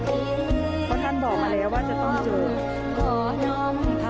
เพราะท่านบอกมาแล้วว่าจะต้องเจอ